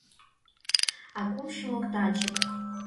А кумшо — моктанчык: